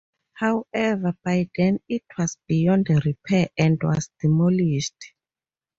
However, by then, it was beyond repair and was demolished.